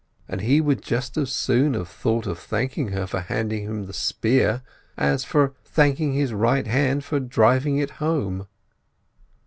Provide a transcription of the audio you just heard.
And he would just as soon have thought of thanking her for handing him the spear as of thanking his right hand for driving it home.